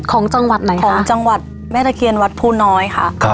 ของจังหวัดไหนคะของจังหวัดแม่ตะเคียนวัดภูน้อยค่ะ